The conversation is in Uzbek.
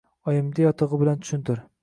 Oyimga yotig`i bilan tushuntir